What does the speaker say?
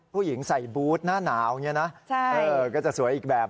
ผู้หญิงใส่บู๊ดหน้าหนาวเนี่ยนะก็จะสวยอีกแบบหนึ่ง